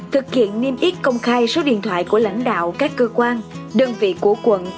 thực hiện niêm yết công khai số điện thoại của lãnh đạo các cơ quan đơn vị của quận